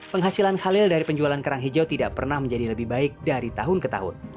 penghasilan khalil dari penjualan kerang hijau tidak pernah menjadi lebih baik dari tahun ke tahun